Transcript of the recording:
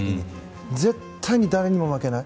絶対にだれにも負けない。